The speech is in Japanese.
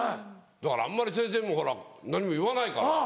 だからあんまり先生もほら何も言わないから。